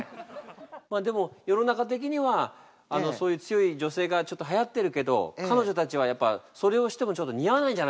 まあでも世の中的にはそういう強い女性がちょっとはやってるけど彼女たちはやっぱそれをしてもちょっと似合わないんじゃないかと。